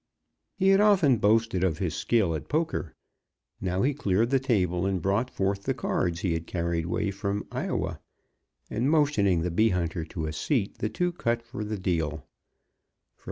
He had often boasted of his skill at poker. Now he cleared the table and brought forth the cards he had carried way from Iowa, and motioning the bee hunter to a seat, the two cut for the deal.